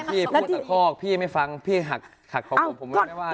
พี่พูดตะขอกพี่ไม่ฟังพี่หักขอบคุณผมไม่ว่านะ